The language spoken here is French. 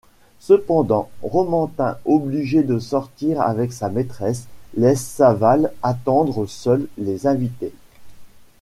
Cependant, Romantin, obligé de sortir avec sa maîtresse, laisse Saval attendre seul les invités.